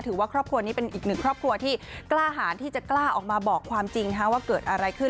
ครอบครัวนี้เป็นอีกหนึ่งครอบครัวที่กล้าหารที่จะกล้าออกมาบอกความจริงว่าเกิดอะไรขึ้น